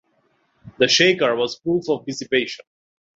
A shaker was proof of dissipation.